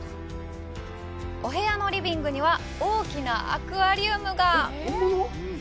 お部屋のリビングには大きなアクアリウムが！